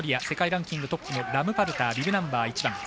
世界ランキングトップのラムパルター、ビブナンバー１番。